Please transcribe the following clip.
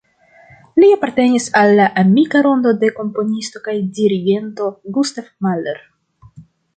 Li apartenis al la amika rondo de komponisto kaj dirigento Gustav Mahler.